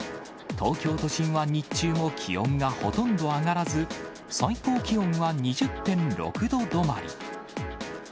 東京都心は日中も気温がほとんど上がらず、最高気温は２０．６度止まり。